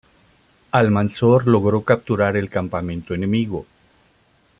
Almanzor logró capturar el campamento enemigo.